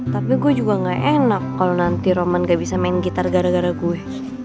tapi gue juga gak enak kalau nanti roman gak bisa main gitar gara gara gue